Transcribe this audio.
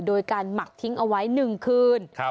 โดยการหมักทิ้งเอาไว้๑คืน